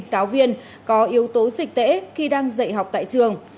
giáo viên có yếu tố dịch tễ khi đang dạy học tại trường